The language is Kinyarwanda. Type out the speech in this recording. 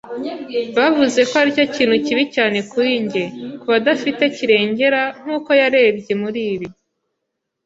bavuze ko aricyo kintu kibi cyane kuri njye, kubadafite kirengera nkuko yarebye muri ibi